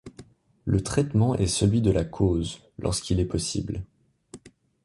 Le traitement est celui de la cause, lorsqu'il est possible.